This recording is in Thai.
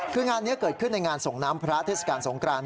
คืองานนี้เกิดขึ้นในงานส่งน้ำพระเทศกาลสงคราน